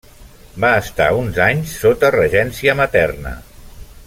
Va estar uns anys sota regència materna.